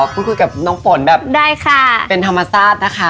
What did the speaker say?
พูดคุยกับน้องฝนแบบเป็นธรรมศาสตร์นะคะ